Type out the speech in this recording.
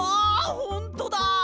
ほんとだ！